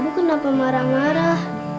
ibu kenapa marah marah